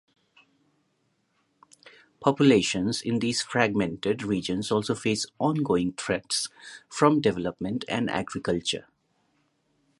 Populations in these fragmented regions also face ongoing threats from development and agriculture.